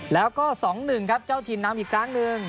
แล้วก็๒๑ครับเจ้าถิ่นนำอีกครั้งหนึ่ง